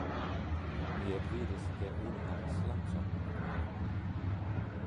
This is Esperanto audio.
Mi ekvidis, ke unu havas lancon en mano.